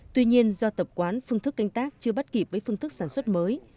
tuy nhiên do tập quán phương thức canh tác chưa bắt kịp với phương thức sản xuất mới